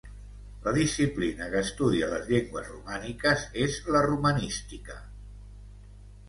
La disciplina que estudia les llengües romàniques és la romanística.